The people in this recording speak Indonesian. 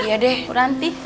iya deh bu ranti